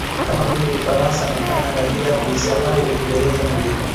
Kama vile Ufaransa na Canada bila kuisahau Uingereza na Ujerumani